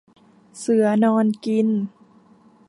เสือนอนกิน